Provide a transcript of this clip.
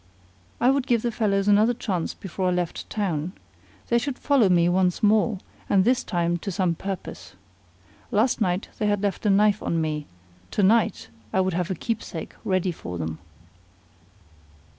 I would give the fellows another chance before I left town. They should follow me once more, and this time to some purpose. Last night they had left a knife on me; to night I would have a keepsake ready for them.